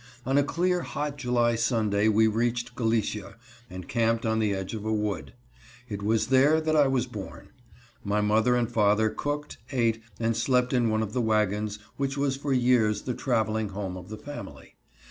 On a clear, hot July Sunday we reached Galicia and camped on the edge of a wood. It was there that I was born. My mother and father cooked, ate, and slept in one of the wagons which was for years the traveling home of the family.